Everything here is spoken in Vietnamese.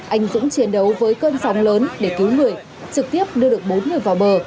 anh dũng chiến đấu với cơn sóng lớn để cứu người trực tiếp đưa được bốn người vào bờ